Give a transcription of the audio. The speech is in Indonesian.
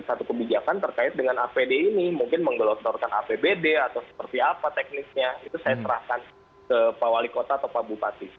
satu kebijakan terkait dengan apd ini mungkin menggelontorkan apbd atau seperti apa teknisnya itu saya serahkan ke pak wali kota atau pak bupati